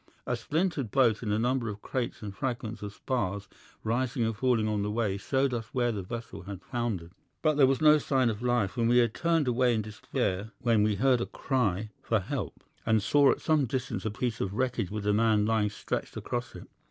A splintered boat and a number of crates and fragments of spars rising and falling on the waves showed us where the vessel had foundered; but there was no sign of life, and we had turned away in despair when we heard a cry for help, and saw at some distance a piece of wreckage with a man lying stretched across it.